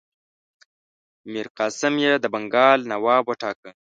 میرقاسم یې د بنګال نواب وټاکه.